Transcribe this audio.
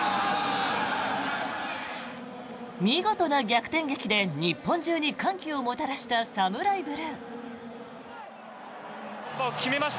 見事な逆転劇で日本中に歓喜をもたらしたＳＡＭＵＲＡＩＢＬＵＥ。